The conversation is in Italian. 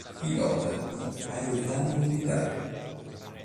Pilota di Aeroplano Militare.